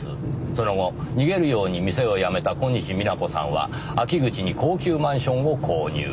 その後逃げるように店を辞めた小西皆子さんは秋口に高級マンションを購入。